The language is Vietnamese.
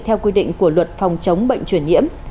theo quy định của luật phòng chống bệnh truyền nhiễm